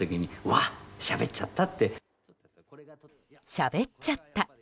しゃべっちゃった。